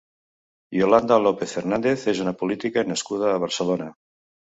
Yolanda López Fernández és una política nascuda a Barcelona.